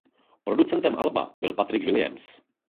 Producentem alba byl Patrick Williams.